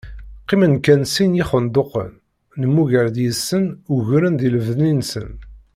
Qqimen-d kan sin n yixenduqen, nemmuger-d deg-sen uguren di lebni-nsen.